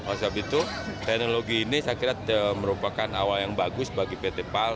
oleh sebab itu teknologi ini saya kira merupakan awal yang bagus bagi pt pal